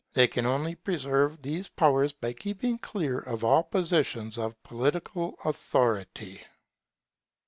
They can only preserve these powers by keeping clear of all positions of political authority.